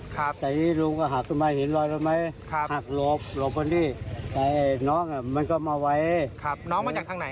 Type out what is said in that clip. คือลุงหักหลบรถอีกคันนึง